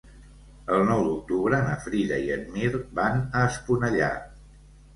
El nou d'octubre na Frida i en Mirt van a Esponellà.